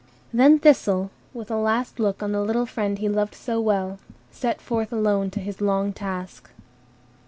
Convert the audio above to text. Then Thistle, with a last look on the little friend he loved so well, set forth alone to his long task.